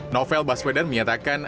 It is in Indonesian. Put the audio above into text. novel baswedan menyatakan